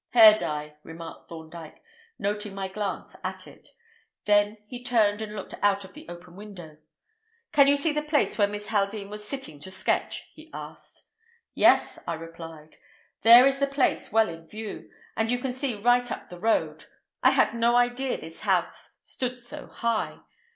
"Hair dye," remarked Thorndyke, noting my glance at it; then he turned and looked out of the open window. "Can you see the place where Miss Haldean was sitting to sketch?" he asked. "Yes," I replied; "there is the place well in view, and you can see right up the road. I had no idea this house stood so high.